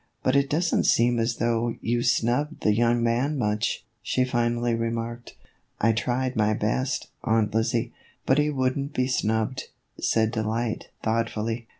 " But it does n't seem as though you snubbed the young man much," she finally remarked. " I tried my best, Aunt Lizzie, but he would n't be snubbed," said Delight, thoughtfully.